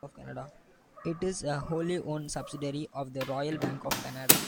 It is a wholly owned subsidiary of the Royal Bank of Canada.